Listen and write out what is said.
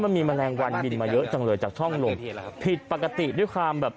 แมลงวันบินมาเยอะจังเลยจากช่องลมผิดปกติด้วยความแบบ